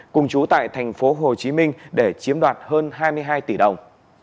cùng chú tại thành phố hồ chí minh để chiếm đoạt hơn hai mươi hai tỷ đồng